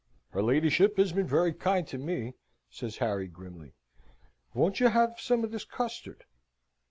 "Her ladyship has been very kind to me," says Harry, grimly. "Won't you have some of this custard?"